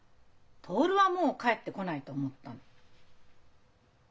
徹はもう帰ってこないと思ったの。